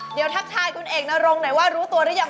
เดี๋ยวทักทายคุณเอกนรงหน่อยว่ารู้ตัวหรือยัง